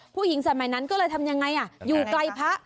ผู้หญิงสมัยนั้นก็เลยทำยังไงอ่ะอยู่ใกล้พระ